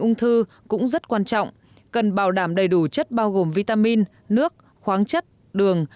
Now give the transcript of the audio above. ung thư cũng rất quan trọng cần bảo đảm đầy đủ chất bao gồm vitamin nước khoáng chất đường